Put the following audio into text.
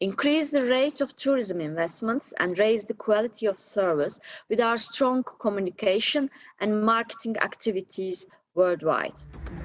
menguasai harga investasi turisme dan meningkatkan kualitas servis dengan komunikasi dan aktivitas marketing yang kuat di seluruh dunia